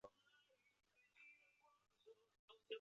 梅庵位于中国广东省肇庆市端州区城西的梅庵岗上。